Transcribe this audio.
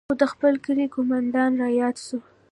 خو د خپل کلي قومندان راياد سو.